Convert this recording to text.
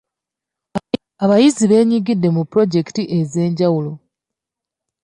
Abayizi beenyigidde mu pulojekiti ez'enjawulo.